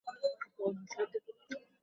ভাই, সবাইকে জানিয়েছি।